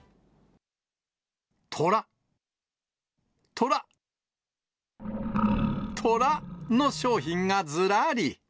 トラ、トラ、トラの商品がずらり。